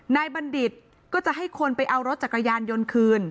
บัณฑิตก็จะให้คนไปเอารถจักรยานยนต์คืน